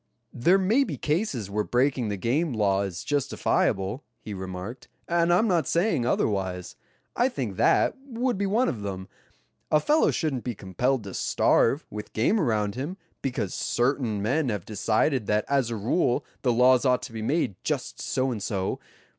"There may be cases where breaking the game law is justifiable," he remarked, "and I'm not saying otherwise. I think that would be one of them. A fellow shouldn't be compelled to starve, with game around him, because certain men have decided that as a rule the laws ought to be made just so and so.